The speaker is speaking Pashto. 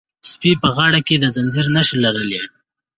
سپي په غاړه کې د زنځیر نښې لرلې.